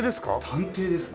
探偵ですね。